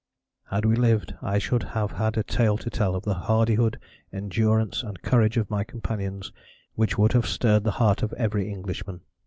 Had we lived, I should have had a tale to tell of the hardihood, endurance, and courage of my companions which would have stirred the heart of every Englishman.